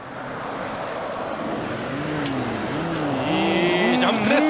いいジャンプです！